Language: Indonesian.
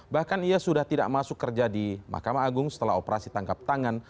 bahkan ia sudah tidak masuk kerja di mahkamah agung setelah operasi tangkap tangan